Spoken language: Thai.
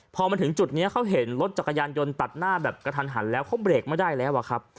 พอมาถึงจุดนี้เขาเห็นรถจักรยานยนต์ตัดหน้าแบบกระทันหันแล้วเขาเบรกไม่ได้แล้วอะครับ